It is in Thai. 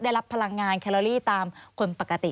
ได้รับพลังงานแคลอรี่ตามคนปกติ